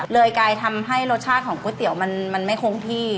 กลายทำให้รสชาติของก๋วยเตี๋ยวมันไม่คงที่